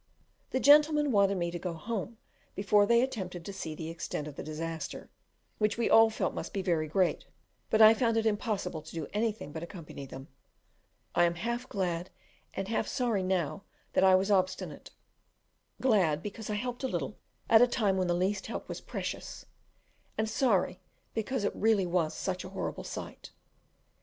The gentlemen wanted me to go home before they attempted to see the extent of the disaster, which we all felt must be very great; but I found it impossible to do anything but accompany them. I am half glad and half sorry now that I was obstinate; glad because I helped a little at a time when the least help was precious, and sorry because it was really such a horrible sight.